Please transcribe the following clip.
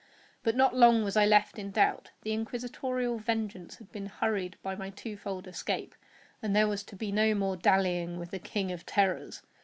But not long was I left in doubt. The Inquisitorial vengeance had been hurried by my two fold escape, and there was to be no more dallying with the King of Terrors.